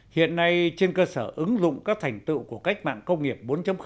hiện nay trên cơ sở ứng dụng các thành tựu của cách mạng công nghiệp bốn